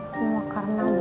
semua karena gue gak ada itu